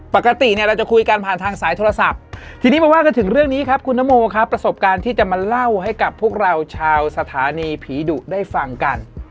ปกติเนี่ยเราจะคุยกันผ่านทางสายโทรศัพท์ทีนี้มาว่ากันถึงเรื่องนี้ครับคุณนโมครับประสบการณ์ที่จะมาเล่าให้กับพวกเราชาวสถานีผีดุได้ฟังกัน